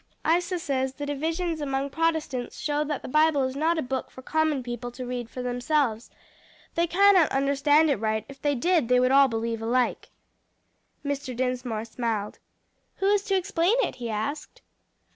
Isa says the divisions among Protestants show that the Bible is not a book for common people to read for themselves. They cannot understand it right; if they did they would all believe alike." Mr. Dinsmore smiled. "Who is to explain it?" he asked.